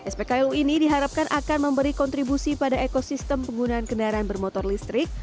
spklu ini diharapkan akan memberi kontribusi pada ekosistem penggunaan kendaraan bermotor listrik